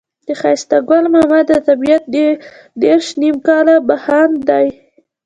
د ښایسته ګل ماما دا طبيعت دېرش نيم کاله بهاند دی.